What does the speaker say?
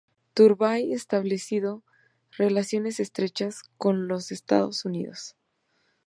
Turbay restablecido relaciones estrechas con los Estados Unidos.